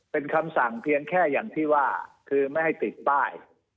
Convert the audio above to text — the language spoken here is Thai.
เป็นคำสั่งเพียงแค่อย่างที่ว่าคือไม่ให้ติดป้าย